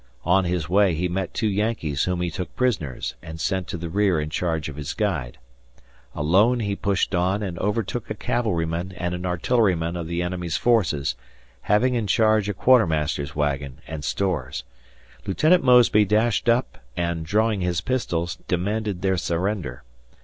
On his way he met two Yankees whom he took prisoners and sent to the rear in charge of his guide. Alone he pushed on and overtook a cavalryman and an artilleryman of the enemy's forces, having in charge a quartermaster's wagon and stores. Lieutenant Mosby dashed up and, drawing his pistols, demanded their surrender.